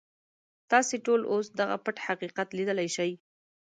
تاسې ټول اوس دغه پټ حقیقت ليدلی شئ.